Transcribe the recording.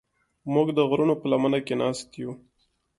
موږ د غرونو په لمنه کې ناست یو.